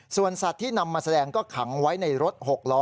ส่วนสัตว์ที่นำมาแสดงก็ขังไว้ในรถ๖ล้อ